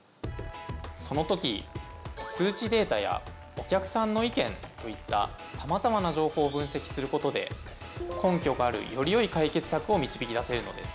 そのとき数値データやお客さんの意見といったさまざまな情報を分析することで根拠があるよりよい解決策を導き出せるのです。